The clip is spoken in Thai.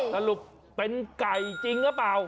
สรุปเป็นไก่จริงหรือเปล่า